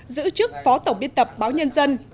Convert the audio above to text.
giữ chức phó tổng biên tập báo nhân dân